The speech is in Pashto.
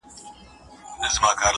• چا راوړي د پیسو وي ډک جېبونه..